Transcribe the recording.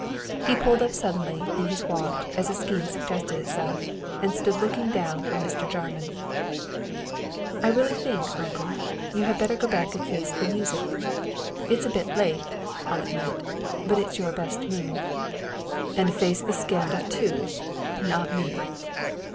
He pulled up suddenly in his walk as a scheme suggested itself, and stood looking down on Mr. Jarman. "I really think, uncle, you had better go back and face the music it's a bit late, I'll admit, but it's your best move." "And face the scandal too. Not me."